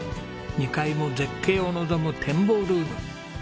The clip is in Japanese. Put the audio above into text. ２階も絶景を望む展望ルーム。